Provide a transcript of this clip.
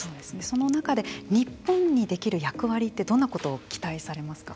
その中で日本にできる役割ってどんなことを期待されますか。